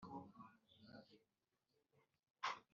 barokera nk’icyuma cy’isasu mu mazi y’umuvumba.